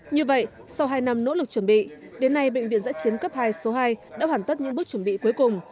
như vậy sau hai năm nỗ lực chuẩn bị đến nay bệnh viện giã chiến cấp hai số hai đã hoàn tất những bước chuẩn bị cuối cùng